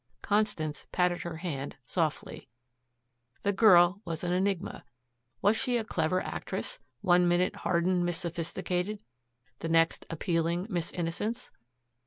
Constance patted her hand softly. The girl was an enigma. Was she a clever actress one minute hardened Miss Sophisticated, the next appealing Miss Innocence?